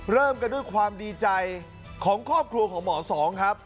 เริ่มกันด้วยความดีใจของครอบครัวของหมอสองครับ